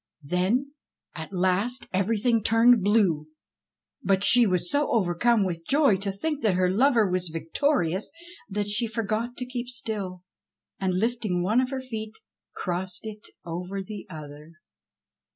Then at last everything turned blue. But she was so overcome with joy to think that her lover was victorious that she forgot to keep still, and lifting one of her feet, crossed it over the other